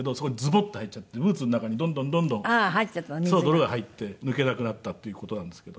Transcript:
泥が入って抜けなくなったっていう事なんですけど。